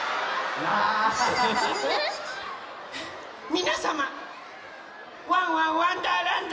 みなさま「ワンワンわんだーらんど」へ。